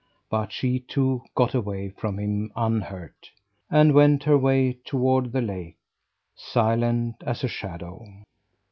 But she, too, got away from him unhurt, and went her way toward the lake, silent as a shadow.